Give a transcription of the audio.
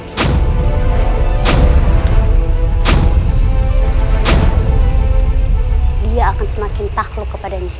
dia akan semakin takluk kepadanya nyai dek